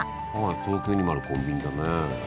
東京にもあるコンビニだね。